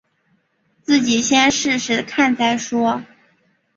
自己先试试看再说